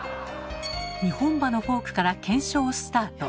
２本歯のフォークから検証スタート。